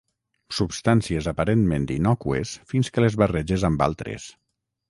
Substàncies aparentment innòcues fins que les barreges amb altres.